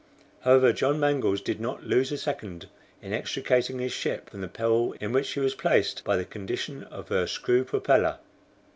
'" However, John Mangles did not lose a second in extricating his ship from the peril in which she was placed by the condition of her screw propeller.